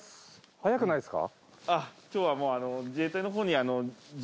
早くないですか？